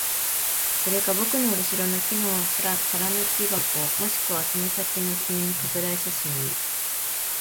それか僕の後ろの空の木箱、もしくはその先の君の拡大写真に。